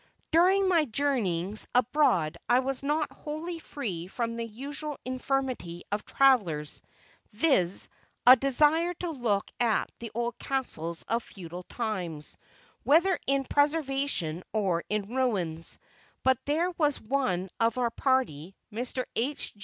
During my journeyings abroad I was not wholly free from the usual infirmity of travellers, viz, a desire to look at the old castles of feudal times, whether in preservation or in ruins; but there was one of our party, Mr. H.